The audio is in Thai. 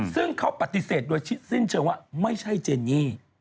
ซึ่งเขาปฏิเสธโดยสิ้นเชิงว่าไม่ใช่เจนนี่